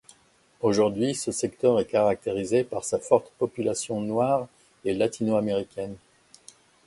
Aujourd'hui ce secteur est caractérisé par sa forte population noire et latino-américaine.